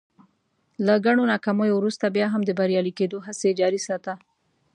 له ګڼو ناکاميو ورورسته بيا هم د بريالي کېدو هڅې جاري ساته.